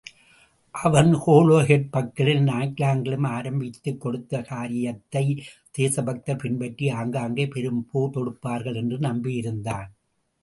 அவன் ஸோலோஹெட்பக்கிலும், நாக்லாங்கிலும் ஆரம்பித்துக் கொடுத்த காரியங்களைத் தேசத்தார் பின்பற்றி ஆங்காங்கே பெரும் போர் தொடுப்பார்கள் என்று நம்பியிருந்தான்.